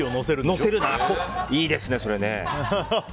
いいですね、それね。